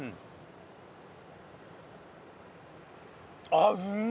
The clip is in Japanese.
あっうま！